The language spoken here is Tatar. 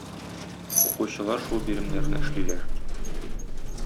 Укучылар шул биремнәрне эшлиләр.